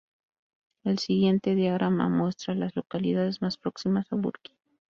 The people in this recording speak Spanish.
El siguiente diagrama muestra a las localidades más próximas a Burke.